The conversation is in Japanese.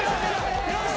よし！